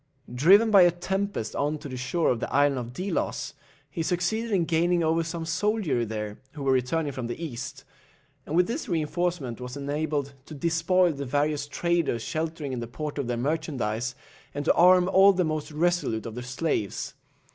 Driven by a tempest on to the shore of the Island of Delos, he succeeded in gaining over some soldiery there, who were returning from the East, and with this reinforcement was enabled to despoil the various traders sheltering in the port of their merchandize, and to arm all the most resolute of the slaves.